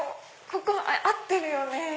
ここ合ってるよね？